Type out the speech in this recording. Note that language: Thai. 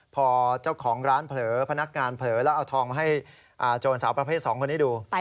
พอเจ้าของร้านเผลอพนักงานเผลอแล้วเอาทองมาให้โจรสาวประเภท๒คนนี้ดู